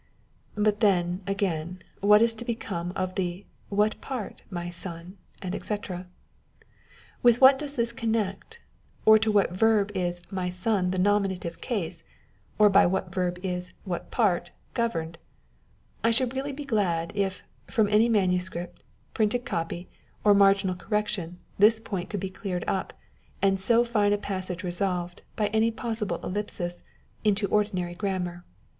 But then, again, what is to become of the "what part, my son?"&c. With what does this connect, or to what verb is " my son " the nominative case, or by what verb is " what part " governed ? I should really be glad, if, from any manuscript, printed copy, or marginal correction, this point could l)e cleared up, and so fine a passage resolved, by any possible ellipsis, into ordinary grammar.